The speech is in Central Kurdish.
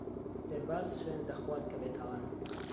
دەرباز سوێند دەخوات کە بێتاوانە.